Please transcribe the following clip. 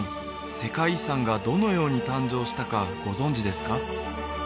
世界遺産がどのように誕生したかご存じですか？